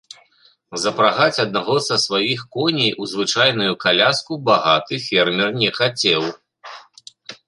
Запрагаць аднаго са сваіх коней у звычайную каляску багаты фермер не хацеў.